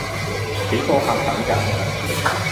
幾個客等緊